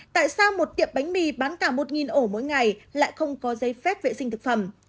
tại sao một tiệm bánh mì bán cả một ổ mỗi ngày lại không có giấy phép vệ sinh thực phẩm